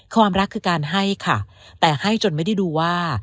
ความรักคือการให้ค่ะแต่ให้จนไม่ได้ดูว่า